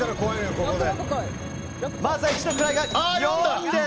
まずは一の位が４です。